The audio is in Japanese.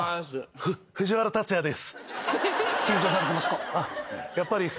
ふ藤原竜也です。